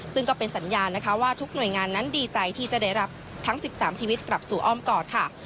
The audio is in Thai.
ซึ่งก็เป็นสัญญาณนะคะว่าทุกหน่วยงานนั้นดีใจที่จะได้รับทั้ง๑๓ชีวิตกลับสู่อ้อมกอดค่ะ